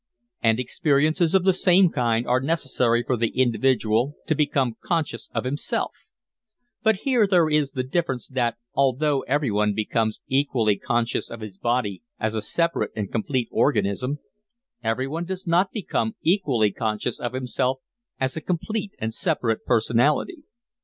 And experiences of the same kind are necessary for the individual to become conscious of himself; but here there is the difference that, although everyone becomes equally conscious of his body as a separate and complete organism, everyone does not become equally conscious of himself as a complete and separate personality.